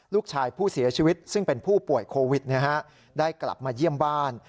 ลูกชายผู้เสียชีวิตซึ่งเป็นผู้ป่วยโควิดได้กลับมาเยี่ยมบ้าน